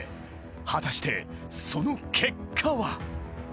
［果たしてその結果は］